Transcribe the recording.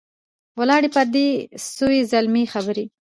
ولاړې پردۍ سوې زلمۍ خبري